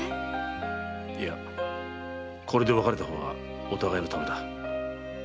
いやこれで別れた方がお互いのためだ。